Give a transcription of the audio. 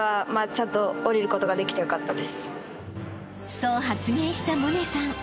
［そう発言した百音さん］